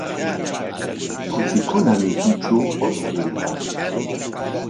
Kuchikuna mitutraw qutrpaykaayan.